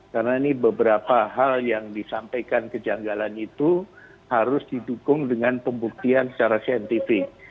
karena ini beberapa hal yang disampaikan kejanggalan itu harus didukung dengan pembuktian secara saintifik